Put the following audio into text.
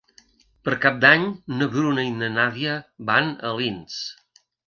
Per Cap d'Any na Bruna i na Nàdia van a Alins.